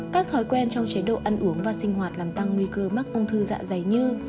các thói quen trong chế độ ăn uống và sinh hoạt làm tăng nguy cơ mắc ung thư dạ dày như